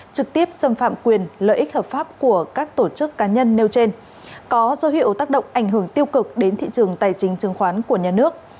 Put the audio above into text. trực tiếp xâm phạm quyền lợi ích hợp pháp của các tổ chức cá nhân nêu trên có dấu hiệu tác động ảnh hưởng tiêu cực đến thị trường tài chính chứng khoán của nhà nước